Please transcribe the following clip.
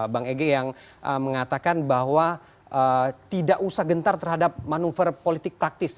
bang ege yang mengatakan bahwa tidak usah gentar terhadap manuver politik praktis